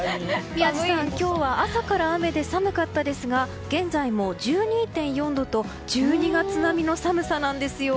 宮司さん、今日は朝から雨で寒かったですが現在も１２．４度と１２月並みの寒さなんですよ。